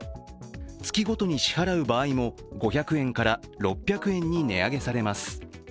月ごとに支払う場合も５００円から６００円に値上げされます。